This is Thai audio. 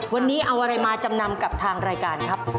วันนี้เอาอะไรมาจำนำกับทางรายการครับ